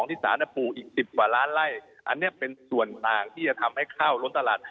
อีก๑๐กว่าล้านไล่อันนี้เป็นส่วนต่างที่จะทำให้ข้าวลดตลาด